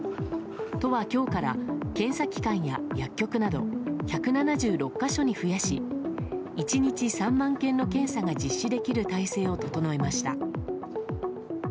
都は今日から検査機関や薬局など１７６か所に増やし１日３万件の検査が実施できる体制を整えました。